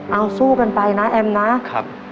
เอาสู้กันไปนะแอมนะครับ